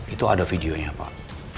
itu ada videonya pak